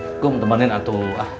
aku mau temanin atu